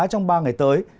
trong ba ngày tới